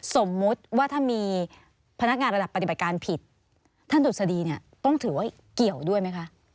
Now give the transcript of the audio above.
สมมุติว่าถ้ามีพนักงานระดับปฏิบัติการผิดท่านดุษฎีเนี่ยต้องถือว่าเกี่ยวด้วยไหมคะ